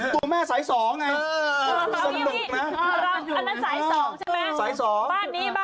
ตู้แม่สายสองสนุกนะ